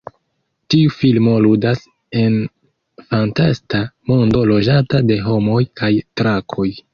Tiu filmo ludas en fantasta mondo loĝata de homoj kaj drakoj.